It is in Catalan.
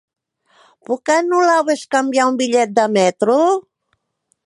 Puc anul·lar o bescanviar un bitllet de metro?